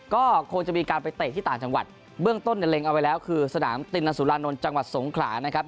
ก็คงจะมีการไปเตะที่ต่างจังหวัดเบื้องต้นเนี่ยเล็งเอาไว้แล้วคือสนามตินสุรานนท์จังหวัดสงขลานะครับ